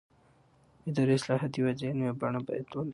اداري اصلاحات یوازې عملي بڼه باید ولري